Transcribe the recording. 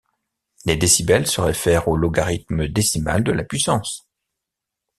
Les décibels se réfèrent au logarithme décimal de la puissance.